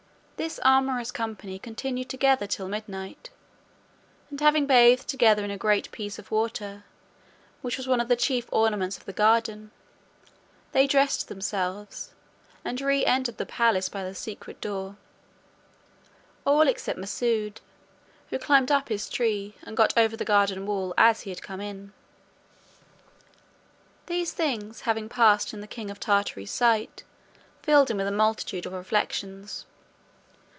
This amorous company continued together till midnight, and having bathed together in a great piece of water, which was one of the chief ornaments of the garden, they dressed themselves, and re entered the palace by the secret door, all except Masoud, who climbed up his tree, and got over the garden wall as he had come in. These things having passed in the king of Tartary's sight, filled him with a multitude of reflections.